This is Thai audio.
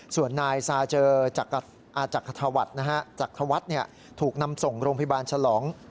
ส่วนนายซาเจอจักรทวัฒน์ถูกนำส่งโรงพยาบาลฉลอง